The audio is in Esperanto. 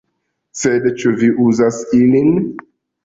"Sed ĉu vi uzas ilin?"